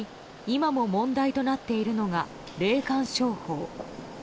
今も問題となっているのが霊感商法。